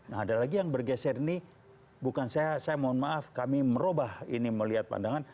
nah ada lagi yang bergeser ini bukan saya saya mohon maaf kami merubah ini melihat pandangan